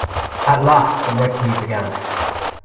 At last the Red Queen began.